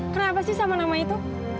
kenapa sih sama nama itu